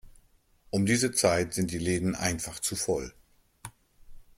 Um diese Zeit sind die Läden einfach zu voll.